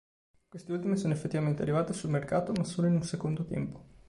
Queste ultime sono effettivamente arrivate sul mercato ma solo in un secondo tempo.